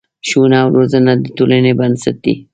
ښوونه او روزنه د ټولنې بنسټ دی.